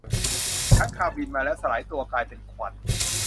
ค้างคาวบินมาแล้วสลายตัวกลายเป็นควัน